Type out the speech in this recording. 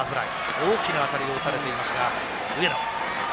大きな当たりを打たれていますが上野。